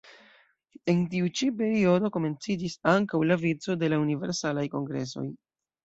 En tiu ĉi periodo komenciĝis ankaŭ la vico de la Universalaj Kongresoj.